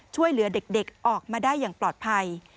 ช่วยเหลือเด็กออกมาได้อย่างปลอดภัย